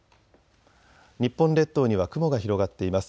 日本列島には雲が広がっています。